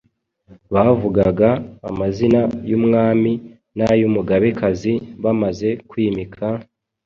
Bavugaga amazina y'Umwami n'ay'Umugabekazi bamaze kwimika,